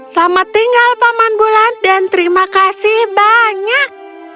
selamat tinggal paman bulan dan terima kasih banyak